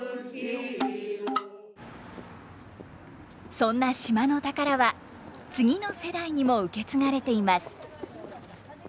そんな島の宝は次の世代にも受け継がれています。